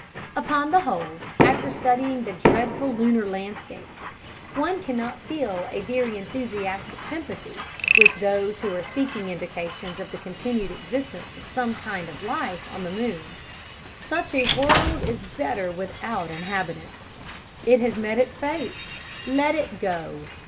Upon the whole, after studying the dreadful lunar landscapes, one cannot feel a very enthusiastic sympathy with those who are seeking indications of the continued existence of some kind of life on the moon; such a world is better without inhabitants. It has met its fate; let it go!